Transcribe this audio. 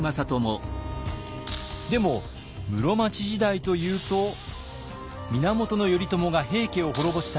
でも室町時代というと源頼朝が平家を滅ぼした